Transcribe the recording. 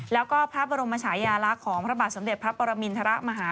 แล้วก็พระบรมชายาลักษณ์ของพระบาทสมเด็จพระปรมินทรมาฮา